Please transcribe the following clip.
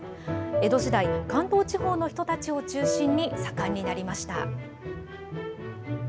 江戸時代、関東地方の人たちを中心に盛んになりました。